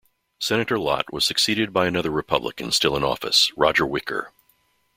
Senator Lott was succeeded by another Republican still in office, Roger Wicker.